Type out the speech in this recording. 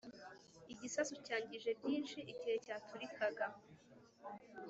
igisasu cyangije byinshi igihe cyaturikaga